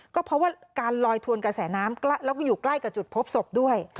ก็เพราะว่าการลอยทวนกระแสน้ำแล้วก็อยู่ใกล้กับจุดพบศพด้วย